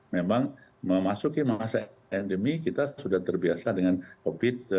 memang memasuki masa endemi kita sudah terbiasa dengan covid